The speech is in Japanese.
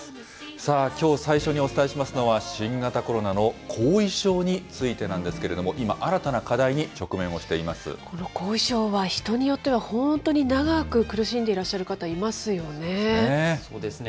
さあ、きょう最初にお伝えしますのは、新型コロナの後遺症についてなんですけれども、今、この後遺症は、人によっては本当に長く苦しんでいらっしゃる方、いますよね。